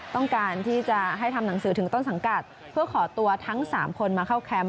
ต้องการที่จะให้ทำหนังสือถึงต้นสังกัดเพื่อขอตัวทั้ง๓คนมาเข้าแคมป์